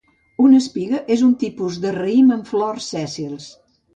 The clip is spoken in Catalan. Una espiga és un tipus de raïm amb flors sèssils.